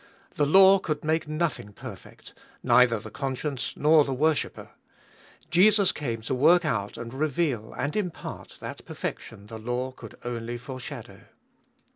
The law could make nothing perfect, neither the conscience nor the worshipper. Jesus came to work out, and reveal, and impart that perfection the law could only foreshadow.